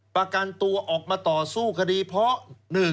ประกันตัวออกมาต่อสู้คดีเพราะ